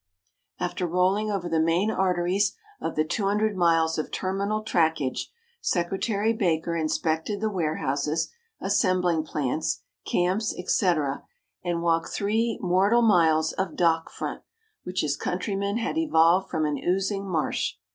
After rolling over the main arteries of the 200 miles of terminal trackage, Secretary Baker inspected the warehouses, assembling plants, camps, etc., and walked three mortal miles of dock front which his countrymen had evolved from an oozing marsh.